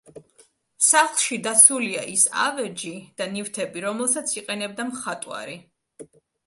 სახლში დაცულია ის ავეჯი და ნივთები რომელსაც იყენებდა მხატვარი.